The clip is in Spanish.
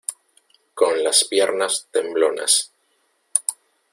con las piernas temblonas.